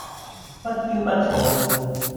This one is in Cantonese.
不驕不躁